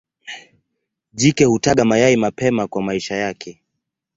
Jike hutaga mayai mapema kwa maisha yake.